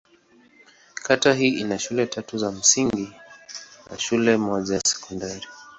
Kata hii ina shule tatu za msingi na shule moja ya sekondari.